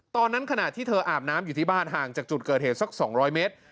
ขณะที่เธออาบน้ำอยู่ที่บ้านห่างจากจุดเกิดเหตุสัก๒๐๐เมตร